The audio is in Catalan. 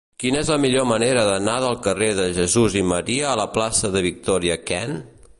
Quina és la millor manera d'anar del carrer de Jesús i Maria a la plaça de Victòria Kent?